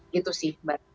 gitu sih mbak